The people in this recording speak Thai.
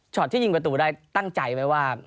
ที่ยิงประตูได้ตั้งใจไหมว่า